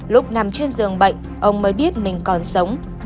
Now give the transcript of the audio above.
lúc nằm trên giường bệnh ông mới biết mình còn sống